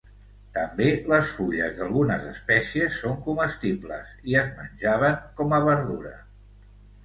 També les fulles d'algunes espècies són comestibles i es menjaven com a verdura.